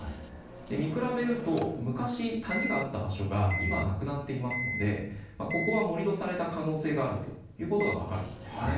見比べると昔谷があった場所が今はなくなっていますのでここは盛土された可能性があるということが分かるんですね。